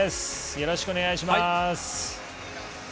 よろしくお願いします。